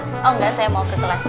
oh enggak saya mau ke telat